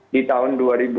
di tahun dua ribu dua puluh